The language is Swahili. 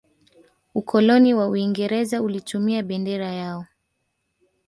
ukoloni wa uingereza ulitumia bendera yao